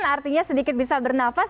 artinya sedikit bisa bernafas